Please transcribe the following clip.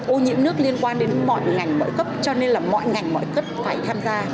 ô nhiễm nước liên quan đến mọi ngành mọi cấp cho nên là mọi ngành mọi cấp phải tham gia